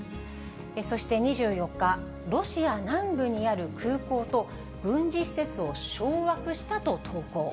そして２４日、ロシア南部にある空港と、軍事施設を掌握したと投稿。